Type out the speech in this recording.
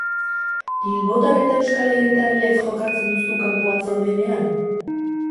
Bilbotar eta euskal herritar lez jokatzen duzu kanpoan zaudenean?